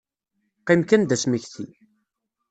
Qqim kan d asmekti.